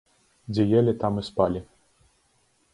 Дзе елі, там і спалі.